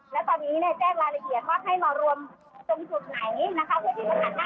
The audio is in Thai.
และตอนนี้แจ้งราลเทียดว่าให้มารวมตรงจุดไหน